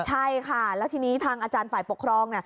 ใช่ค่ะแล้วทีนี้ทางอาจารย์ฝ่ายปกครอง